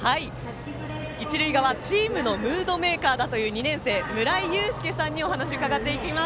一塁側、チームのムードメーカーだという２年生のむらいゆうすけさんにお話を伺います。